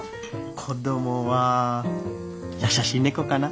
子供は「やさしい猫」かな。